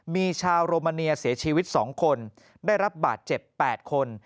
มีชาวโรมาเนียเสียชีวิต๒คนได้รับบาดเจ็บ๘คน